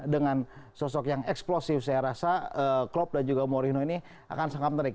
dengan sosok yang eksplosif saya rasa klop dan juga morino ini akan sangat menarik